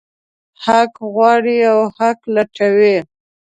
حق غواړي او حق لټوي.